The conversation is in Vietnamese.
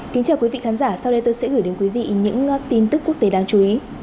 kính chào quý vị khán giả sau đây tôi sẽ gửi đến quý vị những tin tức quốc tế đáng chú ý